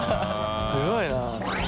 すごいな。